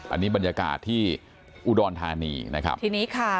อันนี้บรรยากาศที่อุดรธานีนะครับทีนี้ค่ะ